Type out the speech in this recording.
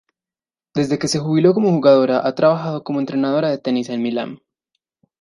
Desde que se jubiló como jugadora, ha trabajado como entrenadora de tenis en Milán.